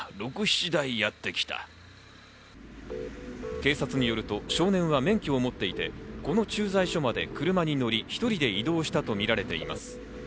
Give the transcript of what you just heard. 警察によると、少年は免許を持っていて、この駐在所まで車に乗り、１人で移動したとみられています。